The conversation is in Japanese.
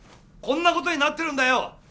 こんなことになってるんだよ！